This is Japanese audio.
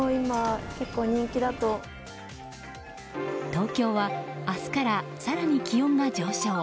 東京は明日から更に気温が上昇。